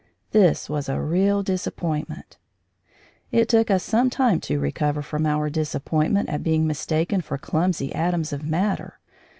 This was a real disappointment. It took us some time to recover from our disappointment at being mistaken for clumsy atoms of matter.